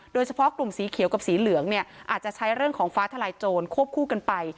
โดยเฉพาะกลุ่มสีเขียวกับสีเหลืองเนี่ยอาจจะใช้เรื่องของฟ้าทลายโจรควบคู่กันไป